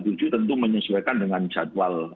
tentu menyesuaikan dengan jadwal